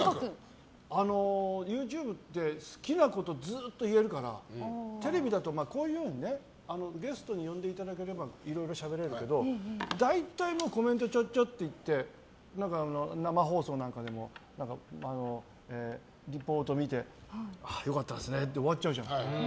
ＹｏｕＴｕｂｅって好きなことずっと言えるからテレビだと、こういうふうにゲストに呼んでいただければいろいろしゃべれるけど大体はコメントをちょっと言って生放送なんかでもリポートを見てああ、良かったですねで終わっちゃうじゃん。